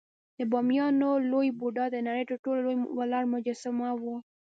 د بامیانو لوی بودا د نړۍ تر ټولو لوی ولاړ مجسمه وه